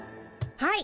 はい。